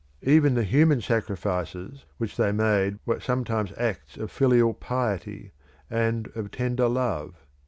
Even the human sacrifices which they made were sometimes acts of filial piety and of tender love.